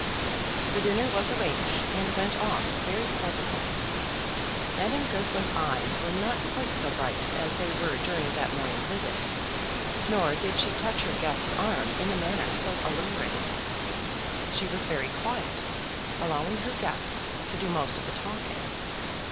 The dinner was arranged, and went off very pleasantly. Madame Goesler's eyes were not quite so bright as they were during that morning visit, nor did she touch her guest's arm in a manner so alluring. She was very quiet, allowing her guests to do most of the talking.